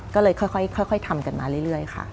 ก็เลยค่อยทำกันมาเรื่อยค่ะ